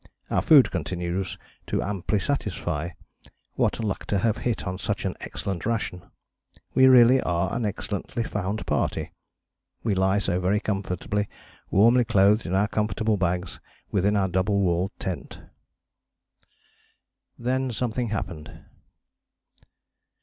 Our food continues to amply satisfy. What luck to have hit on such an excellent ration. We really are an excellently found party ... we lie so very comfortably, warmly clothed in our comfortable bags, within our double walled tent." Then something happened.